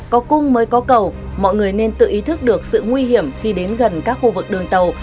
có cung mới có cầu mọi người nên tự ý thức được sự nguy hiểm khi đến gần các khu vực đường tàu